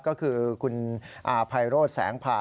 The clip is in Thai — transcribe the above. ก็คือคุณภัยโรธแสงพา